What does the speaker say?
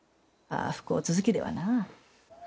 ああ不幸続きではな。